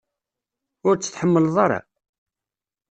Ur tt-tḥemmleḍ ara?